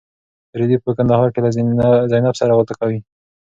رېدی په کندهار کې له زینب سره واده کوي.